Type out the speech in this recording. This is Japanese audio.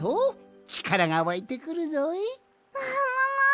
ももも！